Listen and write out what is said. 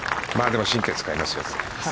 でも、神経使いますよ。